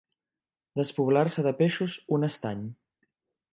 Despoblar-se de peixos un estany.